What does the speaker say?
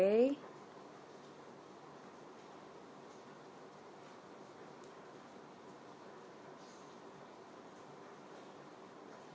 ini adalah